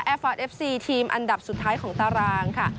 ฟาดเอฟซีทีมอันดับสุดท้ายของตารางค่ะ